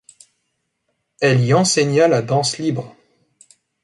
Elle y enseigna la danse libre.